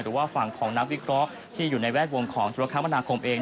หรือว่าฝั่งของนักวิเคราะห์ที่อยู่ในแวดวงของธุรกรรมนาคมเอง